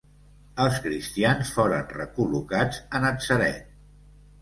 Els cristians foren recol·locats a Natzaret.